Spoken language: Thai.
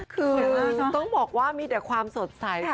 คือต้องบอกว่ามีแต่ความสดใส